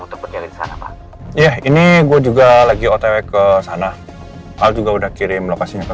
untuk kerja di sana pak ya ini gue juga lagi otw ke sana al juga udah kirim lokasinya ke